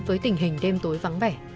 tới tình hình đêm tối vắng vẻ